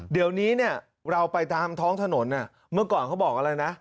เดี๋ยวนี้เนี่ยเราไปตามท้องถนนเมื่อก่อนเขาบอกอะไรนะ